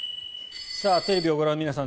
テレビをご覧の皆さん